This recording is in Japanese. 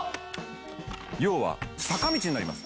要は坂道になります。